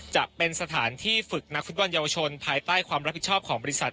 จะเป็นสถานที่ฝึกนักฟุตบอลเยาวชนภายใต้ความรับผิดชอบของบริษัท